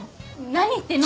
何言ってんの？